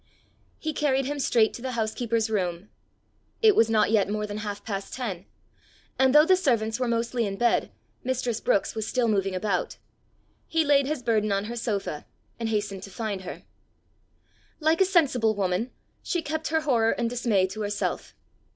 He carried him straight to the housekeeper's room. It was not yet more than half past ten; and though the servants were mostly in bed, mistress Brookes was still moving about. He laid his burden on her sofa, and hastened to find her. Like a sensible woman she kept her horror and dismay to herself.